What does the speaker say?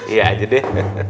iya aja deh